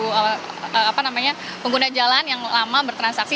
di gerbang sangat mengganggu pengguna jalan yang lama bertransaksi